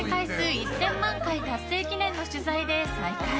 １０００万回達成記念の取材で再会。